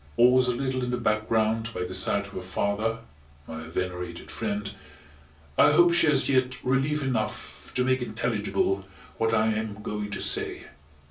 Always a little in the background by the side of her father (my venerated friend) I hope she has yet relief enough to make intelligible what I am going to say.